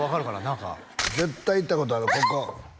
中絶対行ったことあるここあっ！